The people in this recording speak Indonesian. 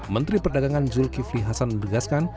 menteri perdagangan zulkifli hasan menegaskan